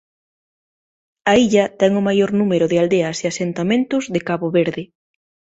A illa ten o maior número de aldeas e asentamentos de Cabo Verde.